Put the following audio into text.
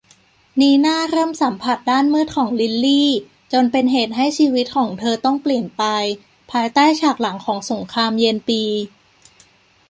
นีน่าเริ่มสัมผัสด้านมืดของลิลลี่ จนเป็นเหตุให้ชีวิตของเธอต้องเปลี่ยนไป ภายใต้ฉากหลังของสงครามเย็นปี